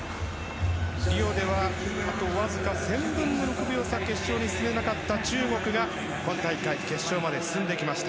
リオでは、あとわずか１０００分の６秒差決勝に進めなかった中国が今回進んできました。